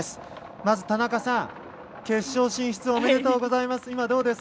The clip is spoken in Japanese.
まず田中さん、決勝進出おめでとうございます。